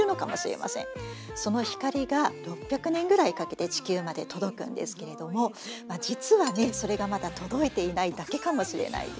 その光が６００年ぐらいかけて地球まで届くんですけれども実はそれがまだ届いていないだけかもしれないっていうね